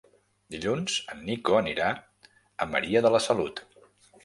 Dilluns en Nico anirà a Maria de la Salut.